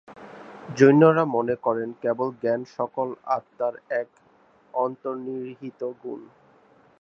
জৈনরা মনে করেন, কেবল জ্ঞান সকল আত্মার এক অন্তর্নিহিত গুণ।